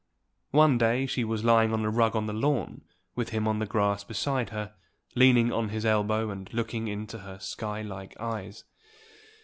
One day she was lying on a rug on the lawn, with him on the grass beside her, leaning on his elbow, and looking down into her sky like eyes.